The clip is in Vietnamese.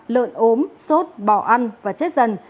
lợn ốm sốt bỏ ăn và chết dần